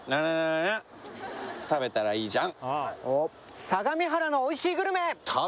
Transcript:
「○○食べたらいいじゃん！」